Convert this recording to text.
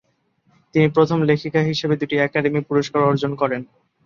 তিনি প্রথম লেখিকা হিসেবে দুটি একাডেমি পুরস্কার অর্জন করেন।